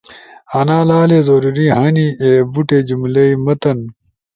انا لالے ضروری ہنی اے بوٹی جملئی متن